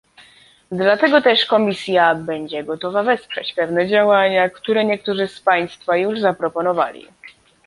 Dlatego też Komisja będzie gotowa wesprzeć pewne działania, które niektórzy z Państwa już zaproponowali